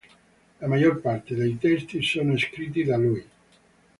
La maggior parte dei testi sono scritti da lui.